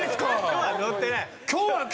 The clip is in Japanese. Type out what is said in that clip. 今日はノッてない！